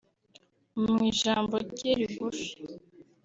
Mu ijambo rye rigufi